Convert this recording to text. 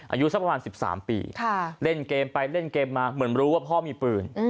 อายุสักประมาณ๑๓ปีเล่นเกมไปเล่นเกมมาเหมือนรู้ว่าพ่อมีปืน